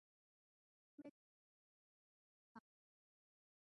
غالب کی زمین میں چند اشعار کہنے کی جسارت